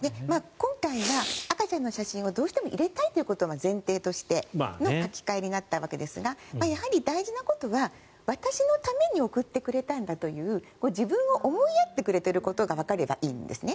今回は赤ちゃんの写真をどうしても入れたいということを前提としての書き換えになったわけですがやはり大事なことは、私のために送ってくれたんだという自分を思いやってくれていることがわかればいいんですね。